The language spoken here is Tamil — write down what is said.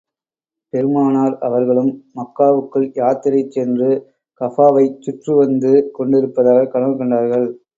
பெருமானார் அவர்களும் மக்காவுக்குள் யாத்திரை சென்று, கஃபாவைச் சுற்று வந்து கொண்டிருப்பதாகக் கனவு கண்டார்கள்.